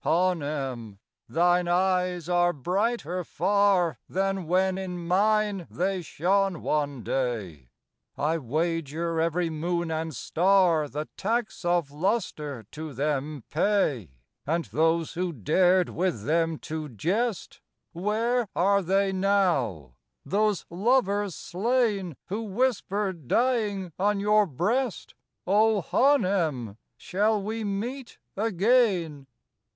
Planem, thine eyes are brighter far Than when in mine they shone one day; I wager every moon and star The tax of lustre to them pay. And those who dared with them to jest, Where are they now ?—those lovers slain Who whispered dying on your breast, "O Hanem, shall we meet again?"